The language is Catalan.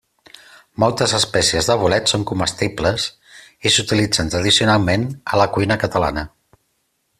Moltes espècies de bolets són comestibles i s'utilitzen tradicionalment a la cuina catalana.